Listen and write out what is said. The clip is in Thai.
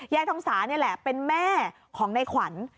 ทองสานี่แหละเป็นแม่ของในขวัญ